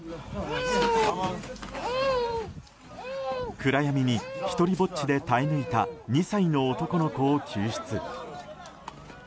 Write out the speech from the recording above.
暗闇に１人ぼっちで耐え抜いた２歳の男の子を救出。